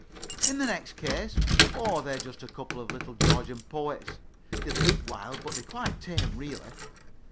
"In the next case? Oh, they're just a couple of little Georgian poets. They look wild, but they're quite tame really.